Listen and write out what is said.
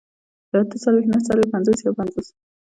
اتهڅلوېښت، نههڅلوېښت، پينځوس، يوپينځوس